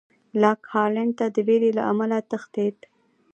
لاک هالېنډ ته د وېرې له امله تښتېد.